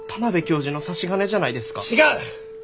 違う！